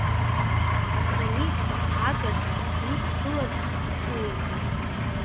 Акранифа, агаҿа дҩықәлан иҿыҩеихеит.